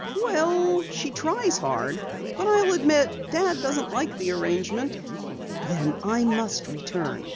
"Well, she tries hard, but I'll admit Dad doesn't like the arrangement." "Then I must return.